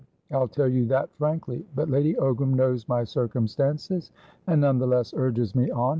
I'll tell you that frankly. But Lady Ogram knows my circumstances, and none the less urges me on.